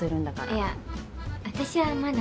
いや私はまだ。